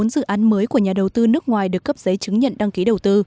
sáu trăm bốn mươi bốn dự án mới của nhà đầu tư nước ngoài được cấp giấy chứng nhận đăng ký đầu tư